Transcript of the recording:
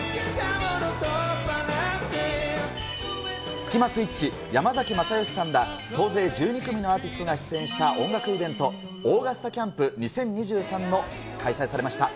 スキマスイッチ、山崎まさよしさんら総勢１２組のアーティストが出演した音楽イベント、ＡｕｇｕｓｔａＣａｍｐ２０２３が開催されました。